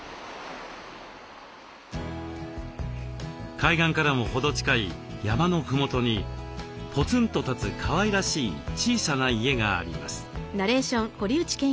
海岸からも程近い山のふもとにぽつんと立つかわいらしい小さな家があります。